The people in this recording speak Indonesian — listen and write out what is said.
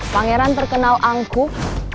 pangeran terkenal angkuh